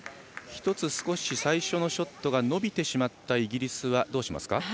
１つ、最初のショットが少し伸びてしまったイギリスはどうしますか？